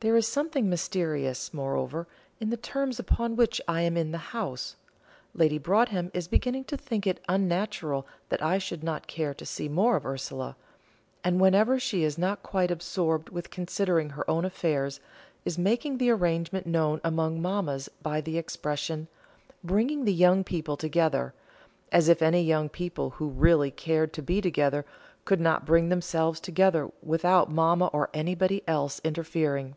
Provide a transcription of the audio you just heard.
There is something mysterious, moreover, in the terms upon which I am in the house. Lady Broadhem is beginning to think it unnatural that I should not care to see more of Ursula; and whenever she is not quite absorbed with considering her own affairs, is making the arrangement known among mammas by the expression, "bringing the young people together" as if any young people who really cared to be together, could not bring themselves together without mamma or anybody else interfering.